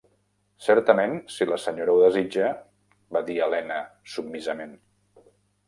"Certament, si la senyora ho desitja", va dir Helena submisament.